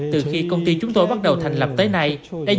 từ khi công ty chúng tôi bắt đầu thành lập tới nay